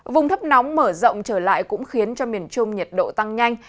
vùng thấp nóng mở rộng trở lại cũng khiến cho miền trung nhiệt độ tăng nhanh